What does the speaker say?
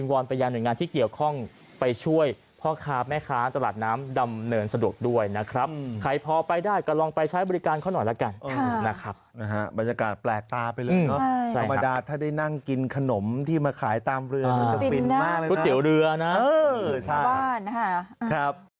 บรรยากาศแปลกตาไปเลยเนอะใช่ธรรมดาถ้าได้นั่งกินขนมที่มาขายตามเรือนมันก็ฟินมากฟินมากก็เตี๋ยวเรือนะเออชาวบ้านนะคะครับ